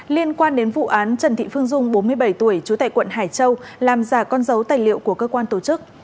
liên quan đến vụ án trần thị phương dung bốn mươi bảy tuổi trú tại quận hải châu làm giả con dấu tài liệu của cơ quan tổ chức